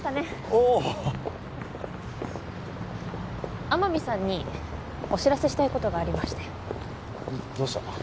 おお天海さんにお知らせしたいことがありましてどうした？